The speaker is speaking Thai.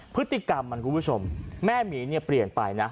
พฤติกรรมมันคุณผู้ชมแม่หมีเนี่ยเปลี่ยนไปนะ